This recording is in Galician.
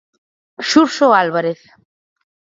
Xurxo Álvarez.